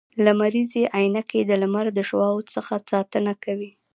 لمریزي عینکي د لمر د شعاوو څخه ساتنه کوي